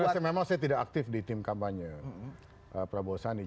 ya karena memang saya tidak aktif di tim kampanye prabowo sani